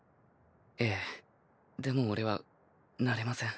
えぇでもオレはなれません。